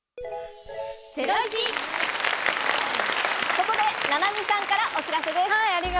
ここで菜波さんからお知らせです。